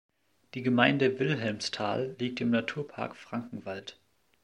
Die Gemeinde Wilhelmsthal liegt im Naturpark Frankenwald.